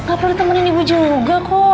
gak perlu ditemanin ibu juga kok